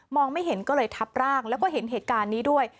ไม่เห็นก็เลยทับร่างแล้วก็เห็นเหตุการณ์นี้ด้วย